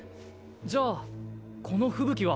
じゃあこの吹雪は。